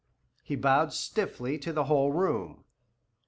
He bowed stiffly to the whole room.